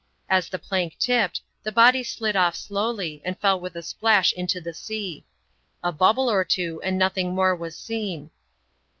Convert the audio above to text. As the plank tif^ped, the body slid off slowly, and fell with a splash into the flea. A bubble or two, and nothing more was seen.